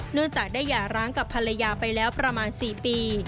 เนื่องจากได้หย่าร้างกับภรรยาไปแล้วประมาณ๔ปี